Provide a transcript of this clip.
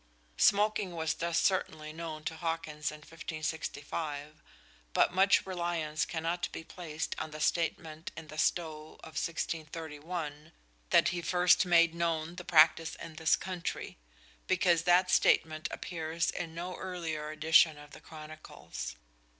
Smoking was thus certainly known to Hawkins in 1565, but much reliance cannot be placed on the statement in the Stow of 1631 that he first made known the practice in this country, because that statement appears in no earlier edition of the "Chronicles."